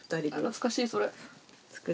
懐かしいそれ。